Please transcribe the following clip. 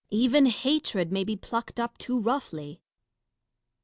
Even hatred may be plucked up too roughly.